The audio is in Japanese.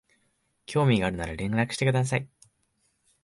興味があるなら連絡してください